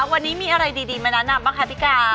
วันนี้มีอะไรดีมานานำป่ะคะพี่กาว